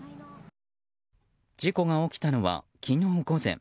事故が起きたのは昨日午前。